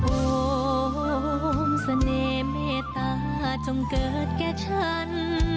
โอ้โหสะเนมเมตตาจงเกิดแค่ฉัน